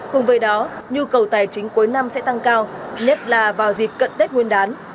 cùng với đó nhu cầu tài chính cuối năm sẽ tăng cao nhất là vào dịp cận tết nguyên đán